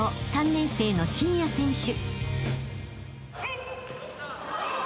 ３年生の新屋選手］